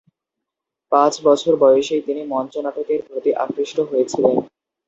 পাঁচ বছর বয়সেই তিনি মঞ্চনাটকের প্রতি আকৃষ্ট হয়েছিলেন।